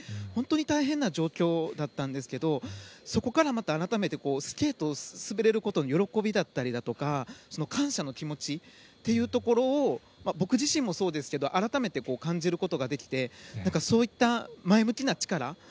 本当に大変な状況だったんですけどそこからまた改めてスケートを滑れることの喜びだったりとか感謝の気持ちというところを僕自身もそうですけど改めて感じることができてそういった前向きな力